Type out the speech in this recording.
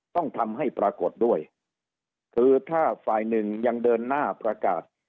ต้องทำให้ปรากฏด้วยคือถ้าฝ่ายหนึ่งยังเดินหน้าประกาศ